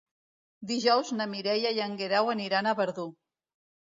Dijous na Mireia i en Guerau aniran a Verdú.